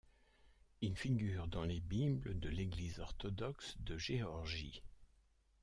Il figure dans les Bibles de l'Église orthodoxe de Géorgie.